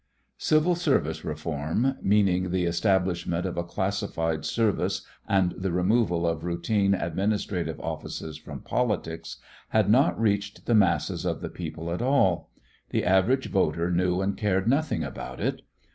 Civil service reform, meaning the establishment of a classified service and the removal of routine administrative offices from politics, had not reached the masses of the people at all. The average voter knew and cared nothing about it.